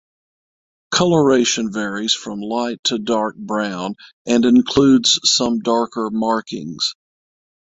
Coloration varies from light to dark brown and includes some darker markings.